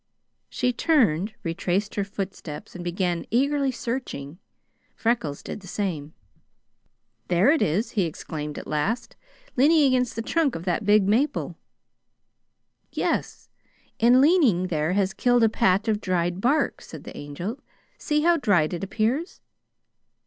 She turned, retraced her footsteps, and began eagerly searching. Freckles did the same. "There it is!" he exclaimed at last, "leaning against the trunk of that big maple." "Yes, and leaning there has killed a patch of dried bark," said the Angel. "See how dried it appears?"